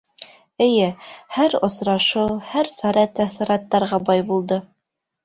Эйе, һәр осрашыу, һәр сара тәьҫораттарға бай булды.